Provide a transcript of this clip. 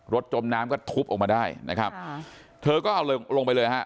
จมน้ำก็ทุบออกมาได้นะครับค่ะเธอก็เอาเลยลงไปเลยฮะ